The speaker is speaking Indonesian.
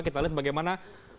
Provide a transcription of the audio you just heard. kita lihat bagaimana